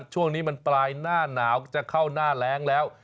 ช่วงนี้มันปลายหน้าหนาวจะเข้าหน้าแรงแล้ว